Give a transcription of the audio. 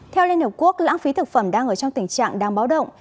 theo liên hợp quốc lãng phí thực phẩm đang ở trong tình trạng đang báo động